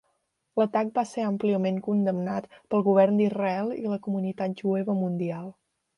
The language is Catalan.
L'atac va ser àmpliament condemnat pel Govern d'Israel i la comunitat jueva mundial.